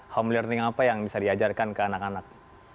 home learning apa yang bisa diajarkan ke anak anak